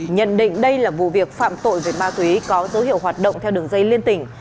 nhận định đây là vụ việc phạm tội về ma túy có dấu hiệu hoạt động theo đường dây liên tỉnh